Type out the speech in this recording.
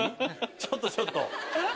ちょっとちょっと！